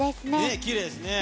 きれいですね。